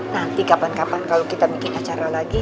nanti kapan kapan kalau kita bikin acara lagi